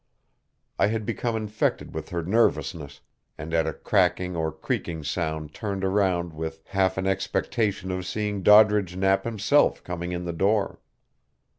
I had become infected with her nervousness, and at a cracking or creaking sound turned around with half an expectation of seeing Doddridge Knapp himself coming in the door.